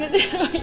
ya udah dikit